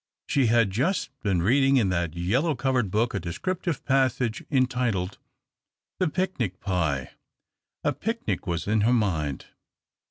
She had just been reading in that yellow covered book a descriptive passage entitled, " The Picnic Pie." A picnic was in her mind.